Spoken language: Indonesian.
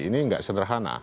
ini ga sederhana